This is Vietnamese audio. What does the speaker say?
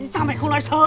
sao mày không nói sớm